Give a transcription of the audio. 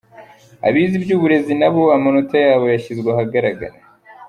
Abize iby’uburezi nabo amanota yabo yashyizwe ahagaragara